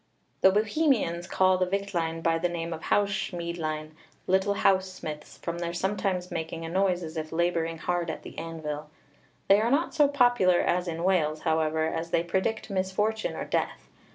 The Bohemians call the Wichtlein by the name of Haus schmiedlein, little House smiths, from their sometimes making a noise as if labouring hard at the anvil. They are not so popular as in Wales, however, as they predict misfortune or death.